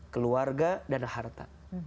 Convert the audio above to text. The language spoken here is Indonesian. keluarga dan harta